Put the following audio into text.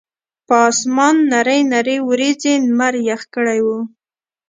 پۀ اسمان نرۍ نرۍ وريځې نمر يخ کړے وو